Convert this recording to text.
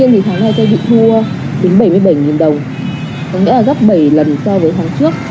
việc thu đến bảy mươi bảy đồng có nghĩa là gấp bảy lần so với tháng trước